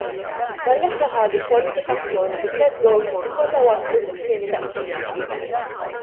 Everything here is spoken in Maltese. Valletta ħadu l-kwalifikazzjoni bi tliet gowls li kollha waslu fit-tieni taqsima.